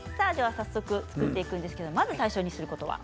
早速作っていくんですけど最初にすることは？